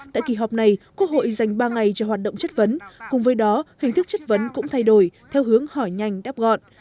tại kỳ họp này quốc hội dành ba ngày cho hoạt động chất vấn cùng với đó hình thức chất vấn cũng thay đổi theo hướng hỏi nhanh đáp gọn